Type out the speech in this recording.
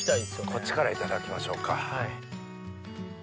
こっちからいただきましょうか。